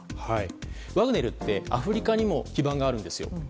ワグネルってアフリカにも基盤があるんですよ。